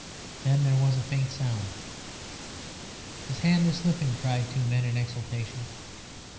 Then there was a faint sound. "His hand is slipping," cried two men in exultation.